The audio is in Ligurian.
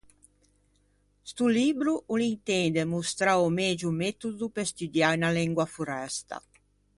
Sto libbro o l’intende mostrâ o megio metodo pe studiâ unna lengua foresta.